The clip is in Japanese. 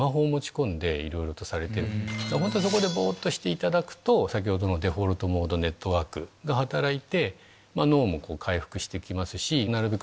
本当はそこでぼっとしていただくとデフォルトモードネットワークが働いて脳も回復して来ますしなるべく